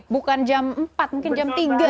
bukan jam empat mungkin jam tiga